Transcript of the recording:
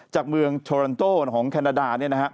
จากเมืองโทรนโต้ของแคนาดา